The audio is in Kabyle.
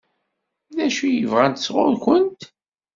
D acu i bɣant sɣur-kent?